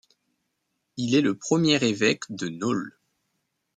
Il est le premier évêque de Nole.